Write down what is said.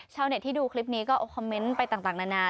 ชาวเน็ตที่ดูคลิปนี้ก็เอาคอมเมนต์ไปต่างนานา